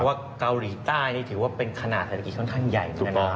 เพราะที่เกาหลีใต้นี่ถือเป็นขนาดเศรษฐกิจค่อนข้างใหญ่